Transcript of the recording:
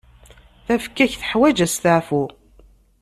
Tafekka-ik teḥwaǧ asteɛfu.